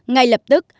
ngay lập tức